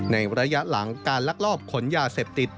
ในระยะหลังการลักลอบขนยาเสพติด